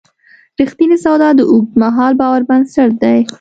رښتینې سودا د اوږدمهاله باور بنسټ دی.